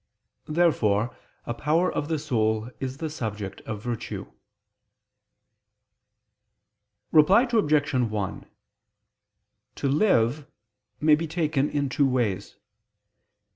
Therefore a power of the soul is the subject of virtue. Reply Obj. 1: "To live" may be taken in two ways.